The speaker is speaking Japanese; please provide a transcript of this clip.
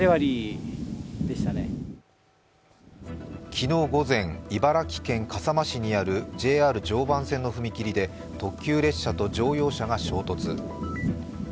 昨日午前、茨城県笠間市にあるＪＲ常磐線の踏切で特急列車と乗用車が衝突。